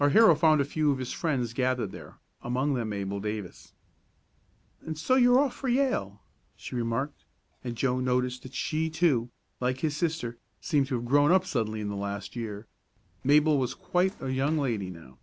Our hero found a few of his friends gathered there, among them Mabel Davis. "And so you're off for Yale," she remarked, and Joe noticed that she too, like his sister, seemed to have "grown up" suddenly in the last year. Mabel was quite a young lady now.